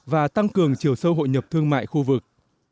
và tăng cường chiều sâu hội nhập thương mại khu vực